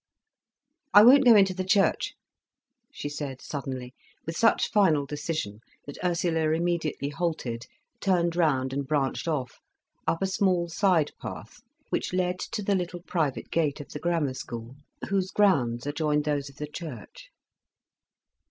"I won't go into the church," she said suddenly, with such final decision that Ursula immediately halted, turned round, and branched off up a small side path which led to the little private gate of the Grammar School, whose grounds adjoined those of the church.